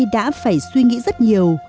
đã phải suy nghĩ rất nhiều